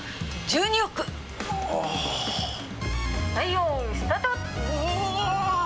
よーい、スタート！